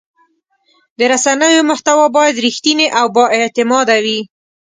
د رسنیو محتوا باید رښتینې او بااعتماده وي.